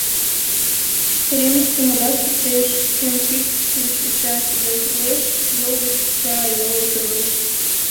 Уремышке модаш лектеш: кӧм кид гыч куча — кидым кӱрлеш, йол гыч куча — йолым кӱрлеш.